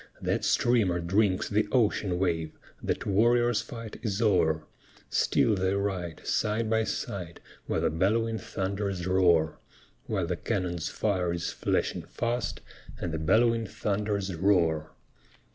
That streamer drinks the ocean wave, That warrior's fight is o'er! Still they ride, side by side, While the bell'wing thunders roar, While the cannon's fire is flashing fast, And the bell'wing thunders roar.